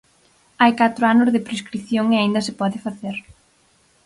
Hai catro anos de prescrición e aínda se pode facer.